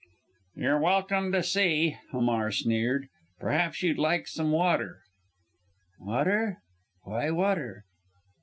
"You're welcome to see!" Hamar sneered. "Perhaps you'd like some water!" "Water! Why water?"